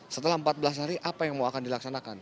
setelah empat belas hari apa yang mau akan dilaksanakan